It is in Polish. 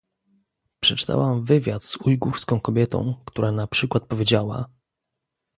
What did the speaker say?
Przeczytałam wywiad z ujgurską kobietą, która na przykład powiedziała